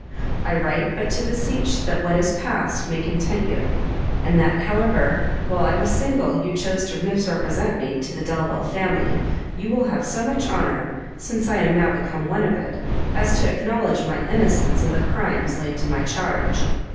I write but to beseech that what is past may content you; and that, however, while I was single, you chose to misrepresent me to the Delvile family, you will have so much honour, since I am now become one of it, as to acknowledge my innocence of the crimes laid to my charge.